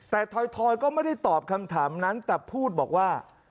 แต่ถอยก็ไม่ได้ตอบคำถามนั้นแต่พูดบอกว่า